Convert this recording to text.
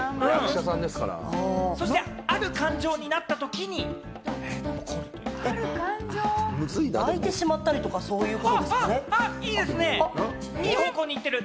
そして、ある感情に泣いてしまったりとかそういいいですね、いい方向にいってる。